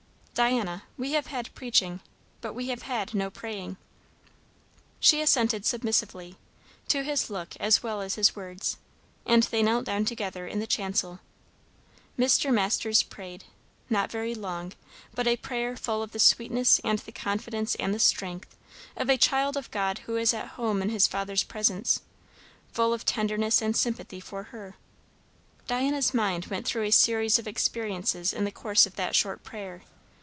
"Diana we have had preaching, but we have had no praying." She assented submissively, to his look as well as his words, and they knelt down together in the chancel. Mr. Masters prayed, not very long, but a prayer full of the sweetness and the confidence and the strength, of a child of God who is at home in his Father's presence; full of tenderness and sympathy for her. Diana's mind went through a series of experiences in the course of that short prayer.